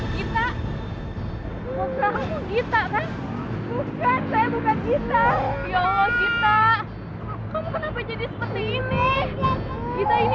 kita mau kamu kita kan bukan saya bukan kita ya allah kita kamu kenapa jadi seperti ini kita ini